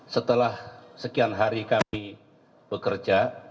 setelah sekian hari kami bekerja